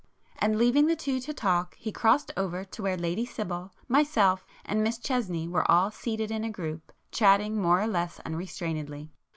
And leaving the two to talk, he crossed over to where Lady Sibyl, myself and Miss Chesney were all seated in a group, chatting more or less unrestrainedly.